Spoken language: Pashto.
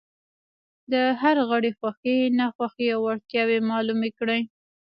د هر غړي خوښې، ناخوښې او وړتیاوې معلومې کړئ.